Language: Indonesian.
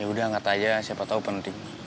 ya udah angkat aja siapa tau penting